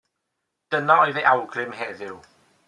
Dyna oedd ei awgrym heddiw.